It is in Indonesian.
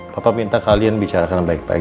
papa minta kalian bicarakan baik baik